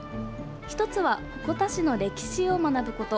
１つは、鉾田市の歴史を学ぶこと。